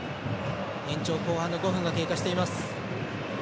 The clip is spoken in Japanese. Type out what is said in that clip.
延長後半の５分が経過しています。